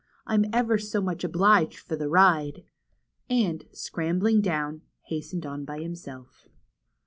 I'm ever so much obliged for the ride," and scrambling down, hastened on by himself.